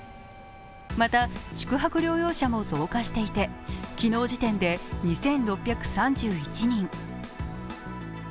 また、宿泊療養者も増加していて昨日時点で２６３１人。